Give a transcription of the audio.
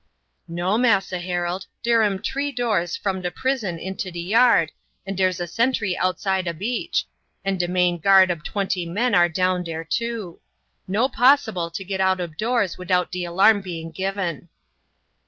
"No, Massa Harold, dere am t'ree doors from de prison into de yard and dere's a sentry outside ob each, and de main guard ob twenty men are down dere, too. No possible to git out ob doors widout de alarm being given."